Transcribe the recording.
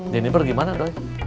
jeniper gimana doi